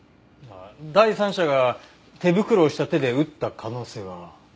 第三者が手袋をした手で撃った可能性は？